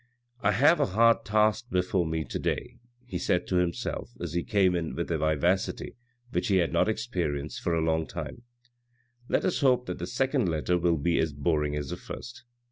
" I have a hard task before me to day," he said to himself as he came in with a vivacity which he had not experienced for a long time; "let us hope that the second letter will be as boring as the first."